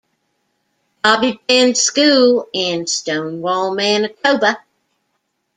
Bobby Bend School in Stonewall, Manitoba.